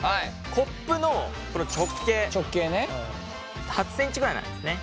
コップの直径８ｃｍぐらいなんですね。